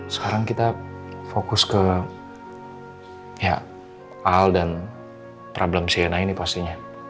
sekarang kita fokus ke ya al dan problem si ena ini pastinya